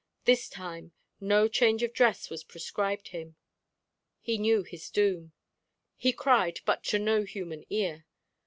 This time no change of dress was prescribed him. He knew his doom. He cried, but to no human ear.